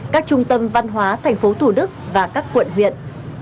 các trung tâm văn hóa thành phố thủ đức và các quận huyện